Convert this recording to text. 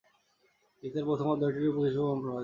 গীতার প্রথম অধ্যায়টি রূপক হিসাবে গ্রহণ করা যাইতে পারে।